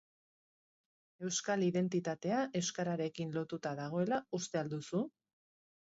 Euskal identitatea euskararekin lotuta dagoela uste al duzu?